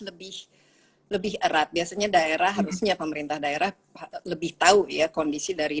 lebih lebih erat biasanya daerah harusnya pemerintah daerah lebih tahu ya kondisi dari